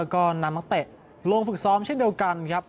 ก็นำนักเตะลงฝึกซ้อมเช่นเดียวกันครับ